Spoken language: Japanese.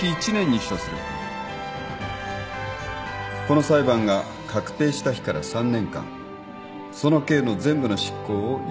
この裁判が確定した日から３年間その刑の全部の執行を猶予する。